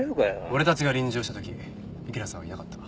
俺たちが臨場した時雪菜さんはいなかった。